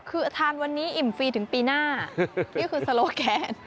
คือทานวันนี้อิ่มฟรีถึงปีหน้านี่คือโซโลแกน